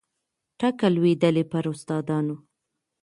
ټکه لوېدلې پر استادانو